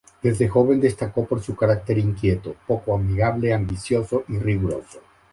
Desde joven destacó por su carácter inquieto, poco amigable, ambicioso y riguroso.